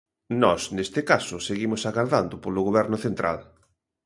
Nós neste caso seguimos agardando polo Goberno central.